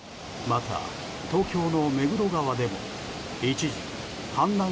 また、東京の目黒川でも一時氾濫